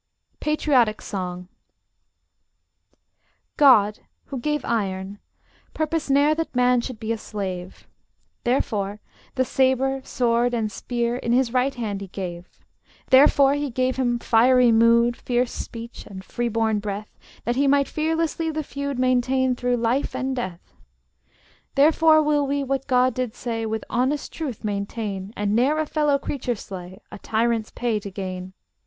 PATRIOTIC SONG God, who gave iron, purposed ne'er That man should be a slave: Therefore the sabre, sword, and spear In his right hand He gave. Therefore He gave him fiery mood, Fierce speech, and free born breath, That he might fearlessly the feud Maintain through life and death. Therefore will we what God did say, With honest truth, maintain, And ne'er a fellow creature slay, A tyrant's pay to gain!